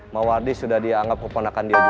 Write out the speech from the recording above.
mawardi sudah dianggap keponakan dia juga